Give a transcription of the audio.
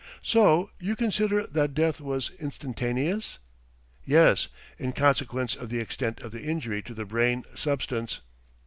"So you consider that death was instantaneous?" "Yes, in consequence of the extent of the injury to the brain substance.